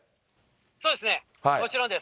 そうですね、もちろんです。